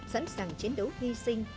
sẵn sàng chiến đấu hy sinh